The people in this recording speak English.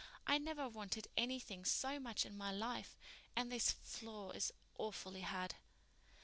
I never wanted anything so much in my life—and this floor is awfully hard."